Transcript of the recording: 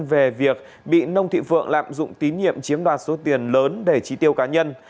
về việc bị nông thị phượng lạm dụng tín nhiệm chiếm đoạt số tiền lớn để trí tiêu cá nhân